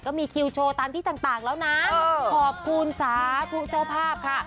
ก็มีคิวโชว์ตามที่ต่างแล้วนะขอบคุณสาธุเจ้าภาพค่ะ